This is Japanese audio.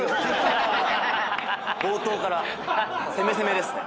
冒頭から攻め攻めですね。